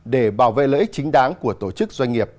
để bảo vệ lợi ích chính đáng của tổ chức doanh nghiệp